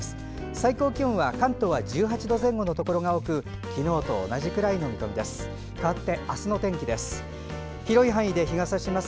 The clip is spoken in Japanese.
最高気温は関東は１８度前後のところが多く昨日と同じくらいの見込みです。